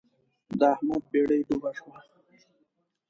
د احمد بېړۍ ډوبه شوه.